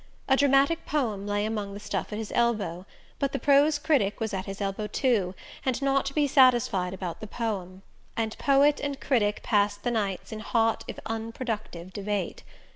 A dramatic poem lay among the stuff at his elbow; but the prose critic was at his elbow too, and not to be satisfied about the poem; and poet and critic passed the nights in hot if unproductive debate.